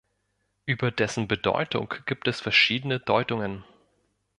Über dessen Bedeutung gibt es verschiedene Deutungen.